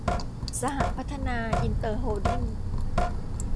สหพัฒนาอินเตอร์โฮลดิ้ง